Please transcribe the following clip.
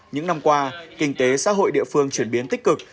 những năm qua kinh tế xã hội địa phương chuyển biến tích cực